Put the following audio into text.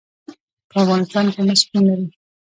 په افغانستان کې مس شتون لري.